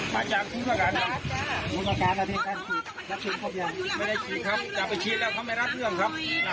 คุณพุทธแม่งก่อนครับครับ